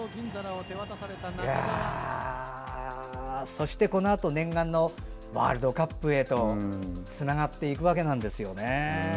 そしてこのあと、念願のワールドカップへとつながっていくわけなんですよね。